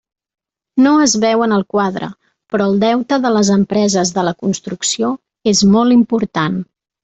No es veu en el quadre, però el deute de les empreses de la construcció és molt important.